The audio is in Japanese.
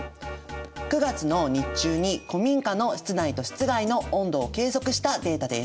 ９月の日中に古民家の室内と室外の温度を計測したデータです。